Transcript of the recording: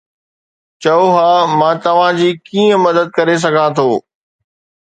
چئو ها، مان توهان جي ڪيئن مدد ڪري سگهان ٿو؟